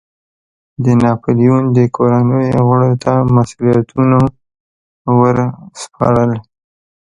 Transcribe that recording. د ناپلیون د کورنیو غړو ته مسوولیتونو ور سپارل.